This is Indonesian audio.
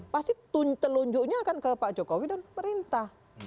pasti telunjuknya akan ke pak jokowi dan pemerintah